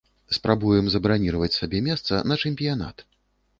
Спрабуем забраніраваць сабе месца на чэмпіянат.